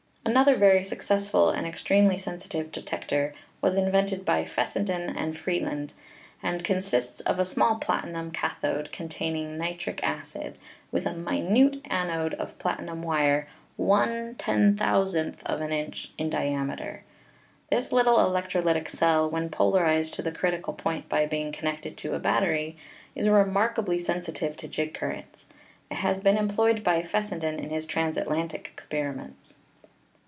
Another very successful and extremely sensitive de tector was invented by Fessenden and Vreeland, and consists of a small platinum cathode containing nitric acid, with a minute anode of platinum wire Yioooo inch 318 ELECTRICITY in diameter. This little electrolytic cell, when polarized to the critical point by being connected to a battery, is remarkably sensitive to jig currents. It has been em ployed by Fessenden in his transatlantic experiments.